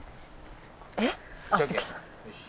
えっ！？